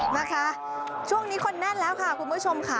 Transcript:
นะคะช่วงนี้คนแน่นแล้วค่ะคุณผู้ชมค่ะ